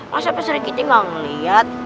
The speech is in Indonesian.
masa pak sri kitty gak ngeliat